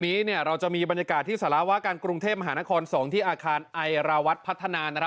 วันนี้เราจะมีบรรยากาศที่สารวาการกรุงเทพมหานคร๒ที่อาคารไอราวัตรพัฒนา